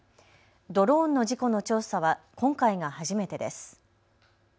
ドローンの事故の調査は今回が初めてです。